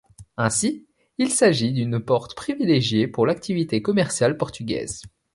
Ainsi il s'agit d'une porte privilégiée pour l'activité commerciale portugaise.